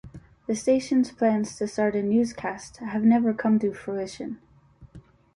The station's plans to start a newscast have never come to fruition.